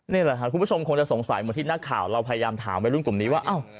นี่แหละครับคุณผู้ชมคงจะสงสัยเหมือนที่นักข่าวเราพยายามถามวัยรุ่นกลุ่มนี้ว่า